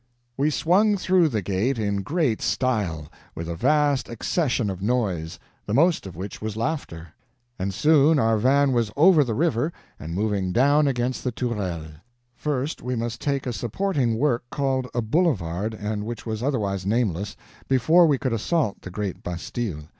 We swung through the gate in great style, with a vast accession of noise, the most of which was laughter, and soon our van was over the river and moving down against the Tourelles. First we must take a supporting work called a boulevard, and which was otherwise nameless, before we could assault the great bastille.